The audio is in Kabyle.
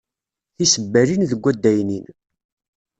Tisebbalin deg waddaynin.